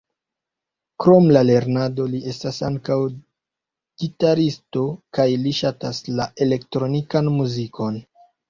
Krom la lernado li estas ankaŭ gitaristo kaj li ŝatas la elektronikan muzikon.